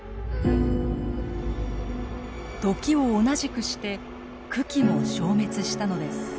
時を同じくして群来も消滅したのです。